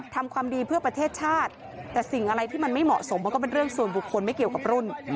ทำความดีเพื่อประเทศชาติแต่สิ่งอะไรที่มันไม่เหมาะสมมันก็เป็นเรื่องส่วนบุคคลไม่เกี่ยวกับรุ่น